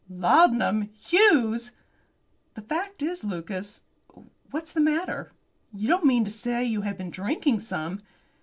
"Laudanum? Hughes!" "The fact is Lucas! What's the matter? You don't mean to say you have been drinking some?"